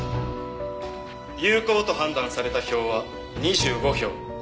有効と判断された票は２５票。